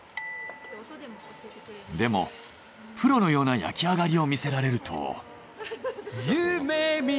でもプロのような焼き上がりを見せられると。